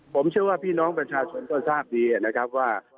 ผมเชื่อว่าพี่น้องประชาชนก็ทราบดีนะครับว่า